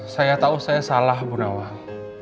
saya tahu saya salah gunawan